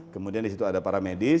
kemudian disitu ada para medis